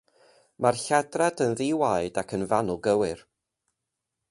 Mae'r lladrad yn ddi-waed ac yn fanwl gywir.